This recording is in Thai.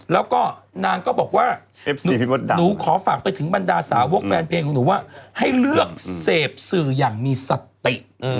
แล้วก็นางก็บอกว่าหนูขอฝากไปถึงบรรดาสาวกแฟนเพลงของหนูว่าให้เลือกเสพสื่ออย่างมีสติ